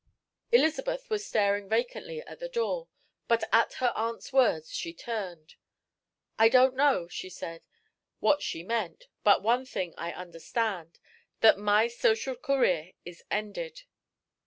Elizabeth was staring vacantly at the door, but at her aunt's words she turned. "I don't know," she said, "what she meant, but one thing I understand that my social career is ended."